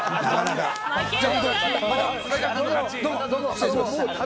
失礼します。